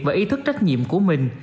và ý thức trách nhiệm của mình